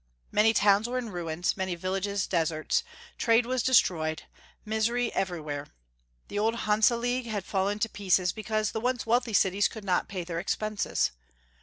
Many towns were in ruins, many villages deserts, trade was destroyed, misery every* where. The old Hanse League had fallen to pieces because the once wealthy cities could not pay their expenses.